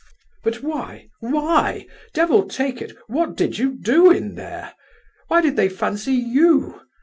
"But why, why? Devil take it, what did you do in there? Why did they fancy you?